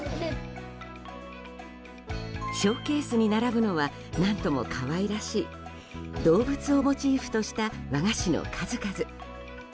ショーケースに並ぶのは何とも可愛らしい動物をモチーフとした和菓子の数々。